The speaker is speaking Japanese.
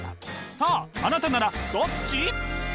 さああなたならどっち？